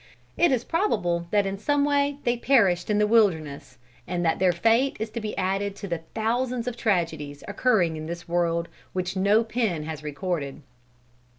It is probable that in some way they perished in the wilderness, and that their fate is to be added to the thousands of tragedies occurring in this world which no pen has recorded.